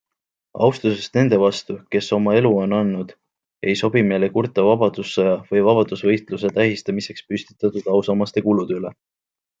Austusest nende vastu, kes oma elu on andnud, ei sobi meil kurta Vabadussõja või vabadusvõitluse tähistamiseks püstitatud ausammaste kulude üle.